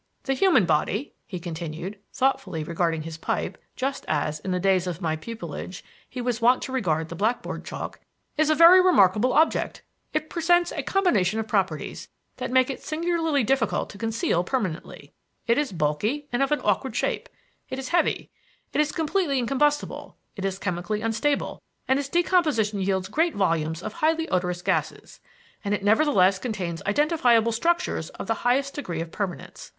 The human body," he continued, thoughtfully regarding his pipe, just as, in the days of my pupilage, he was wont to regard the black board chalk, "is a very remarkable object. It presents a combination of properties, that make it singularly difficult to conceal permanently. It is bulky and of an awkward shape, it is heavy, it is completely incombustible, it is chemically unstable, and its decomposition yields great volumes of highly odorous gases, and it nevertheless contains identifiable structures of the highest degree of permanence.